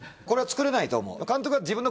これは作れないと思う。